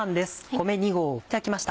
米２合炊きました。